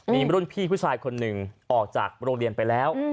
มีรุ่นพี่ผู้ชายคนหนึ่งออกจากโรงเรียนไปแล้ว